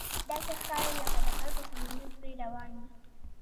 داسې ښکاري لکه د خلکو سمندر پرې روان وي.